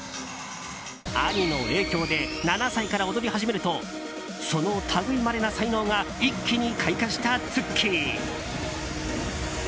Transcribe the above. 兄の影響で７歳から踊り始めるとその類いまれな才能が一気に開花したＴｓｕｋｋｉ。